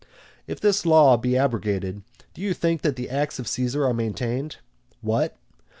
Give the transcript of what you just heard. If this law be abrogated, do you think that the acts of Caesar are maintained? What?